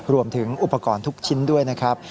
รวมถึงอุปกรณ์ทุกชิ้นด้วยนะครับ